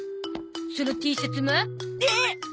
そのＴシャツも？えっ！？